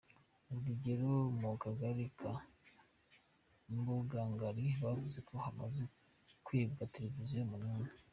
Urugero mu kagari ka Mbugangari bavuze ko hamaze kwibwa televiziyo umunani.